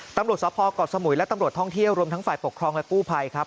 ตำรวจสภเกาะสมุยและตำรวจท่องเที่ยวรวมทั้งฝ่ายปกครองและกู้ภัยครับ